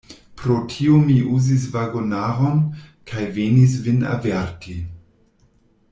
Pro tio mi uzis vagonaron, kaj venis vin averti.